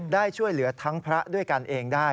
ได้ช่วยเหลือทั้งพระด้วยกันเองได้